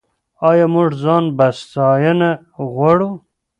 آیا موږ ځان بسیاینه غواړو؟